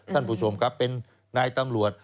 ท่านผู้ชมครับเป็นนายตำรวจ